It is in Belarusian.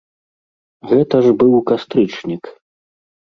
Гэта ж быў кастрычнік!